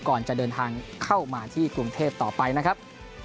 ก่อนจะเดินทางเข้ามาที่กรุงเทพต่อไปนะครับ